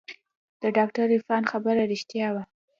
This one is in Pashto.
د ډاکتر عرفان خبره رښتيا وه.